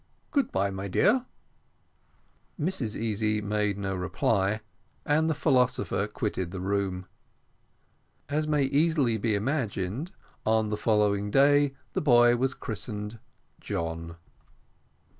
Good bye, my dear." Mrs Easy made no reply, and the philosopher quitted the room. As may easily be imagined, on the following day the boy was christened John.